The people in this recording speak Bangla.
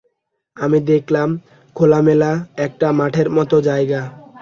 আমি দেখলাম খোলামেলা একটা মাঠের মতো জায়গা।